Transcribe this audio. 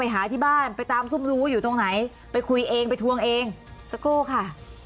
หาที่บ้านไปตามซุ่มดูว่าอยู่ตรงไหนไปคุยเองไปทวงเองสักครู่ค่ะ